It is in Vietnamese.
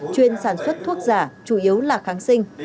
chuyên sản xuất thuốc giả chủ yếu là kháng sinh